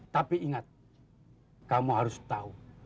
tapi ingat kamu harus tahu